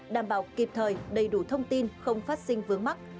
đảm bảo kịp thời đầy đủ thông tin không phát sinh vướng mắt